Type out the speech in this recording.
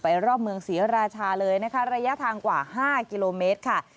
รอบเมืองศรีราชาเลยนะคะระยะทางกว่า๕กิโลเมตรค่ะ